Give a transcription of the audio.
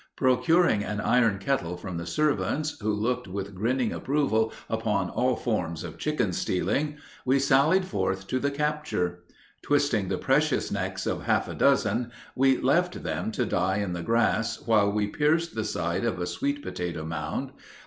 Procuring an iron kettle from the servants, who looked with grinning approval upon all forms of chicken stealing, we sallied forth to the capture. Twisting the precious necks of half a dozen, we left them to die in the grass while we pierced the side of a sweet potato mound.